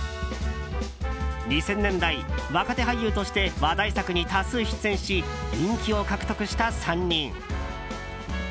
２０００年代、若手俳優として話題作に多数出演し人気を獲得した３人。